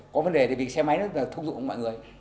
có vấn đề vì xe máy nó thông dụng mọi người